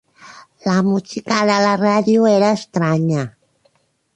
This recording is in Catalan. La música de la ràdio era estranya.